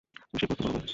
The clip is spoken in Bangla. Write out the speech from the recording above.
তবে সে-পথ তোমারও নয়।